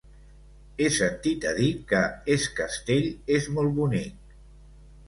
He sentit a dir que Es Castell és molt bonic.